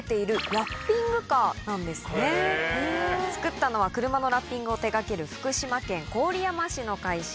作ったのは車のラッピングを手掛ける福島県郡山市の会社。